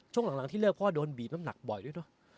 ช่วงหลังที่เลิกพ่อโดนบีบน้ำหนักบ่อยด้วยเนอะ